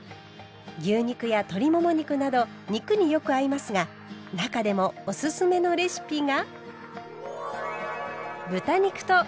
牛肉や鶏もも肉など肉によく合いますが中でもおすすめのレシピが。